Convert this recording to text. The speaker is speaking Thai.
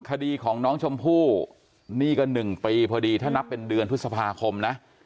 คดีของน้องชมพู่นี่ก็๑ปีพอดีถ้านับเป็นเดือนพฤษภาคมนะ